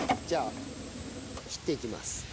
じゃあ切っていきます。